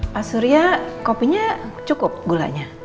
pak surya kopinya cukup gulanya